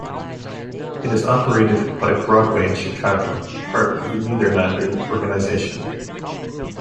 It is operated by Broadway In Chicago, part of the Nederlander Organization.